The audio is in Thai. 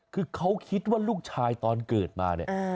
คือเขาคิดว่าลูกชายตอนเกิดมาเนี่ย